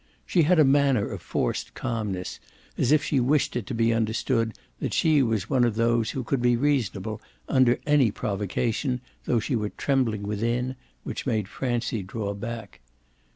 She had a manner of forced calmness as if she wished it to be understood that she was one of those who could be reasonable under any provocation, though she were trembling within which made Francie draw back.